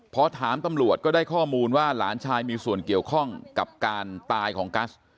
พอถามตำรวจก็ได้ข้อมูลว่าหลานชายมีส่วนเกี่ยวข้องกับการตายของกัส